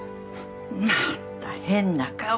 また変な顔して！